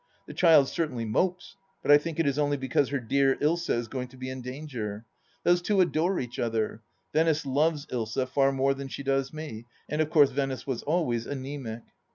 The child certainly mopes, but I think it is only bcause her dear Ilsa is going to be in danger. Those two adore each other. Venice loves Ilsa far more than she does me. And of course Venice was always anaemic.